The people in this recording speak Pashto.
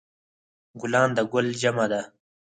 ګلان د ګل جمع ده